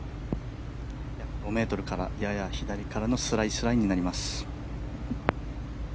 ５ｍから、やや左上からのスライスになります。